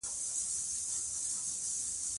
د الله تعالی د بندګانو کفالت او اصلاح کول